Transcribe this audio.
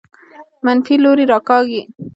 منفي لوري راکاږي.